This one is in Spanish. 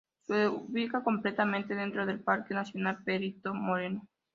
Se ubica completamente dentro del Parque Nacional Perito Moreno.